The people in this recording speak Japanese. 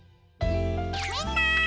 みんな！